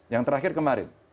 yang terakhir kemarin